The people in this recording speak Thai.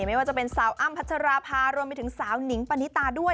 ไม่ว่าจะเป็นสาวอ้ำพัชราภารวมไปถึงสาวหนิงปณิตาด้วย